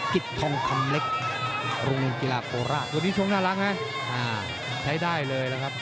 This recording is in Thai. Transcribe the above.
กิจทองคำเล็กรุงกีฬาโปรราสตัวนี้ชงน่ารักไหมใช้ได้เลยนะครับ